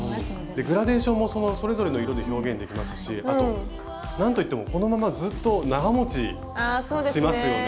グラデーションもそれぞれの色で表現できますしあとなんといってもこのままずっと長もちしますよね。